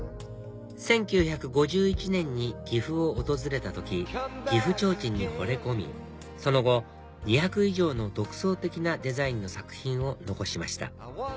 １９５１年に岐阜を訪れた時岐阜提灯にほれ込みその後２００以上の独創的なデザインの作品を残しました